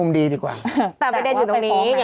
พี่ขับรถไปเจอแบบ